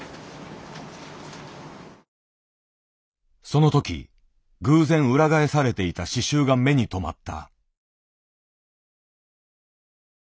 その時偶然裏返されていた刺しゅうが目にとまった。